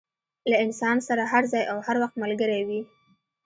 له انسان سره هر ځای او هر وخت ملګری وي.